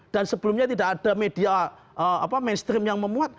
dan sebelumnya tidak ada media mainstream yang memuat